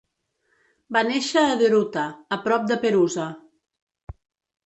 Va néixer a Deruta, a prop de Perusa.